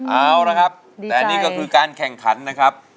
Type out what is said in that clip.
เอาละครับแต่นี่ก็คือการแข่งขันนะครับ